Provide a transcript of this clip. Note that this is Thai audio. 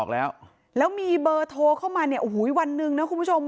แล้วแล้วมีเบอร์โทรเข้ามาเนี่ยโอ้โหวันหนึ่งนะคุณผู้ชม